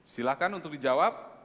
silahkan untuk dijawab